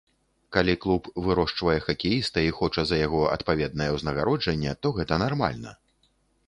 Калі клуб вырошчвае хакеіста і хоча за яго адпаведнае ўзнагароджанне, то гэта нармальна.